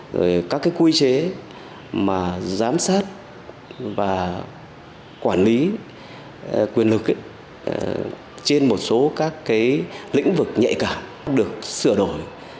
rồi các cái quy chế mà giám sát và quản lý quyền lực trên một số các cái lĩnh vực nhạy cảm được sửa đổi